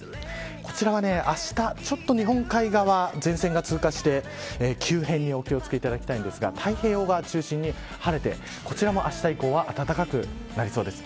こちらはあしたちょっと日本海側前線が通過して急変にお気を付けいただきたいんですが太平洋側中心に晴れてこちらもあした以降は暖かくなりそうです。